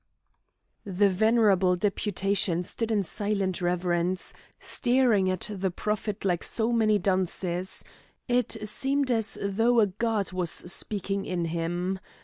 The venerable deputation stood in silent reverence, staring at the prophet like so many dunces; it seemed as though a god was speaking in him.